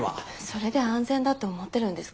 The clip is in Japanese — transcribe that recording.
それで安全だと思ってるんですか？